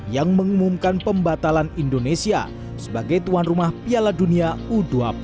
yang mengumumkan pembatalan indonesia sebagai tuan rumah piala dunia u dua puluh